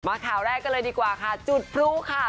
ข่าวแรกกันเลยดีกว่าค่ะจุดพลุค่ะ